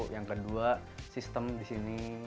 yang kedua sistem disini